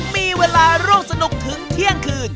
มีเวลาร่วมสนุกถึงเที่ยงคืน